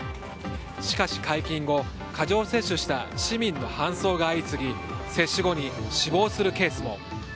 しかし解禁後過剰摂取した市民の搬送が相次ぎ接種後に死亡するケースも。